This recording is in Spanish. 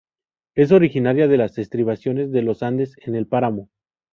Es originaria de las estribaciones de los Andes en el páramo.